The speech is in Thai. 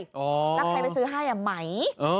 แล้วใครไปซื้อให้ไหม